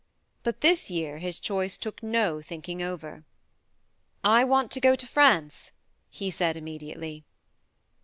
But this year his choice took no thinking over. "I want to go to France," he said immediately.